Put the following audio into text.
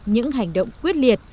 những hành động quyết liệt